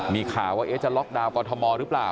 มีข่าวว่าจะล็อกดาวนกอทมหรือเปล่า